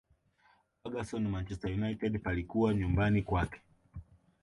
ferguson manchester united palikuwa nyumbani kwake